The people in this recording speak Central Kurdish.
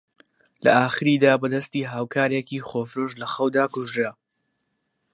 لە ئاخریدا بە دەستی هاوکارێکی خۆفرۆش لە خەودا کوژرا